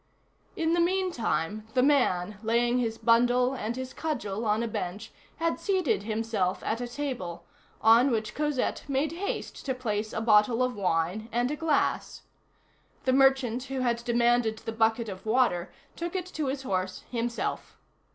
In the meantime, the man, laying his bundle and his cudgel on a bench, had seated himself at a table, on which Cosette made haste to place a bottle of wine and a glass. The merchant who had demanded the bucket of water took it to his horse himself.